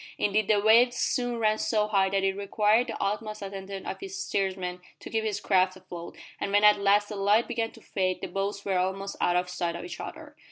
Indeed the waves soon ran so high that it required the utmost attention of each steersman to keep his craft afloat, and when at last the light began to fade the boats were almost out of sight of each other.